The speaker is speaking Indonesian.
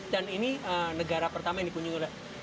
dan ini negara pertama yang dipunyung oleh